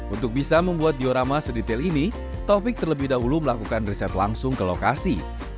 untuk bisa membuat diorama sedetail ini taufik terlebih dahulu melakukan riset langsung ke lokasi